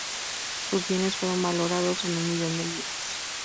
Sus bienes fueron valorados en un millón de libras.